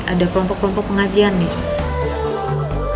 ada kelompok kelompok pengajian nih